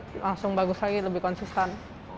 terus balik langsung bagus lagi lebih konsisten